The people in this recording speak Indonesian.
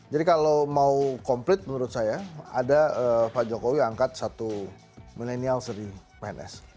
jadi kalau mau komplit menurut saya ada pak jokowi angkat satu milenials dari pns